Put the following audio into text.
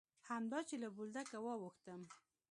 همدا چې له بولدکه واوښتم.